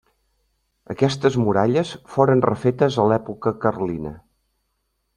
Aquestes muralles foren refetes a l'època carlina.